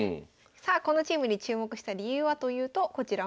さあこのチームに注目した理由はというとこちらをご覧ください。